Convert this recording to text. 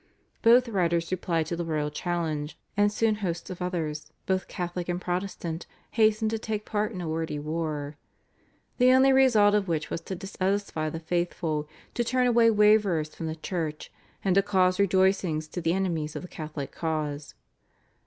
Both writers replied to the royal challenge, and soon hosts of others, both Catholic and Protestant hastened to take part in a wordy war, the only result of which was to disedify the faithful, to turn away waverers from the Church, and to cause rejoicings to the enemies of the Catholic cause.